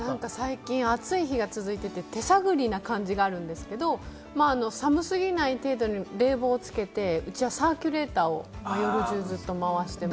最近、暑い日が多くて、手探りのところあるんですけれども、寒すぎない程度に冷房をつけて、うちはサーキュレーターを夜中ずっと回しています。